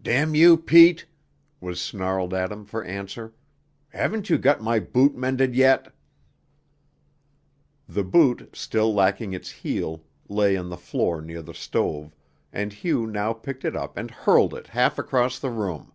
"Damn you, Pete!" was snarled at him for answer. "Haven't you got my boot mended yet?" The boot, still lacking its heel, lay on the floor near the stove, and Hugh now picked it up and hurled it half across the room.